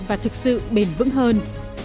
và thực sự bền vững hơn